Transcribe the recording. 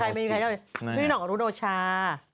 มีใครมั้ยมีใครพี่โหน่งรูโดชา